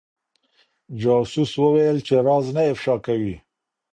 جاسوس وويل چي راز نه افشا کوي.